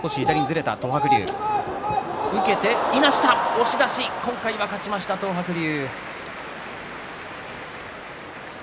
押し出し、今回は勝ちました東白龍。